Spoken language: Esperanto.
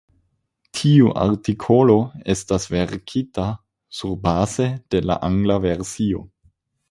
Tiu artikolo estas verkita surbaze de la angla versio.